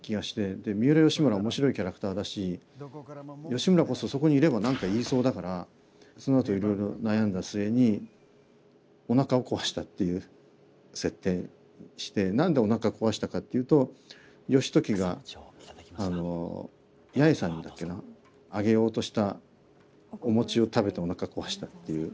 で三浦義村面白いキャラクターだし義村こそそこにいれば何か言いそうだからそのあといろいろ悩んだ末におなかを壊したっていう設定にして何でおなか壊したかっていうと義時があの八重さんにだっけなあげようとしたお餅を食べておなか壊したっていう。